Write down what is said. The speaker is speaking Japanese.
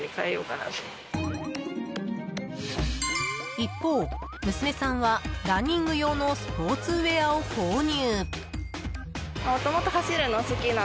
一方、娘さんはランニング用のスポーツウェアを購入。